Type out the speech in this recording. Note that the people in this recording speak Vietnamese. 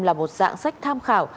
là một dạng sách tham khảo